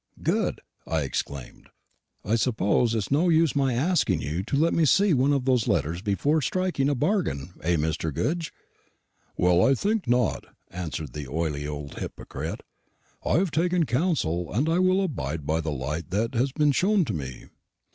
"Good!" I exclaimed. "I suppose it is no use my asking you to let me see one of these letters before striking a bargain eh, Mr. Goodge?" "Well, I think not," answered the oily old hypocrite. "I have taken counsel, and I will abide by the light that has been shown me.